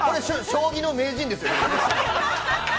◆将棋の名人ですよね。